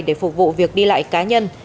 để phục vụ việc đi lại cá nhân